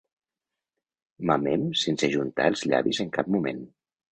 Mamem sense ajuntar els llavis en cap moment.